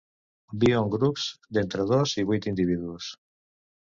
Viu en grups d'entre dos i vuit individus.